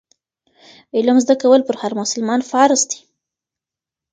علم زده کول پر هر مسلمان فرض دي.